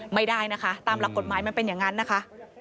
ไม่ได้นะคะตามหลักกฎหมายมันเป็นอย่างนั้นนะคะ